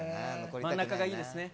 真ん中がいいですね。